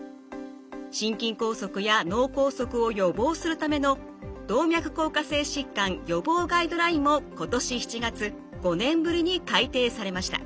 心筋梗塞や脳梗塞を予防するための「動脈硬化性疾患予防ガイドライン」も今年７月５年ぶりに改訂されました。